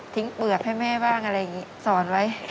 เปลือกให้แม่บ้างอะไรอย่างนี้สอนไว้